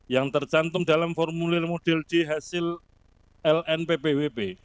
yang tercantum dalam formulir model g hasil lnppwp